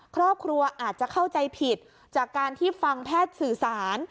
ครอบครัวอาจจะเข้าใจผิดจากการที่ฟังแพทย์สื่อสาร